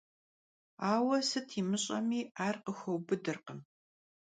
Aue sıt yimış'emi, ar khıxueubıdırkhım.